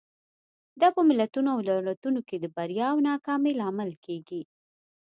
دا په ملتونو او دولتونو کې د بریا او ناکامۍ لامل کېږي.